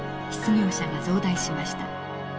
失業者が増大しました。